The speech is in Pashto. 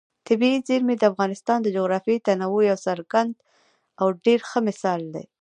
طبیعي زیرمې د افغانستان د جغرافیوي تنوع یو څرګند او ډېر ښه مثال دی.